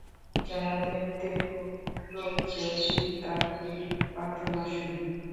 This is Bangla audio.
যাহাদের দেহ-মন পবিত্র, শিব তাহাদেরই প্রার্থনা শুনেন।